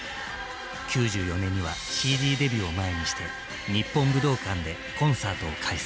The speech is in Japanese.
９４年にはＣＤデビューを前にして日本武道館でコンサートを開催。